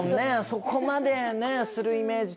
そこまでするイメージ